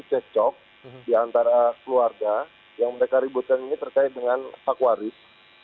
cocok di antara keluarga yang mereka ributkan ini terkait dengan fakwaris